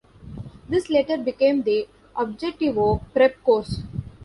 This later became the Objetivo prep course.